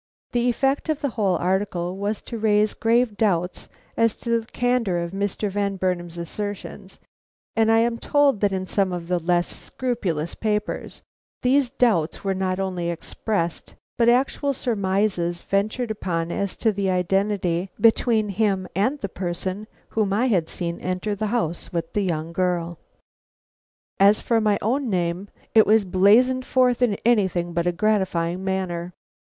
The effect of the whole article was to raise grave doubts as to the candor of Mr. Van Burnam's assertions, and I am told that in some of the less scrupulous papers these doubts were not only expressed, but actual surmises ventured upon as to the identity between the person whom I had seen enter the house with the young girl. As for my own name, it was blazoned forth in anything but a gratifying manner.